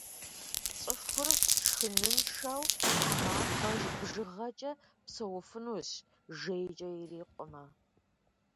Цӏыхур шхыныншэу тхьэмахуэ бжыгъэкӏэ псэуфынущ, жейкӏэ ирикъумэ.